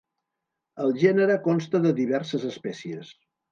El gènere consta de diverses espècies.